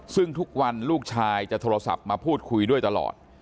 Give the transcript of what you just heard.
ซึ่งทุกวันลูกชายจะโทรศัพท์มาพูดคุยด้วยตลอด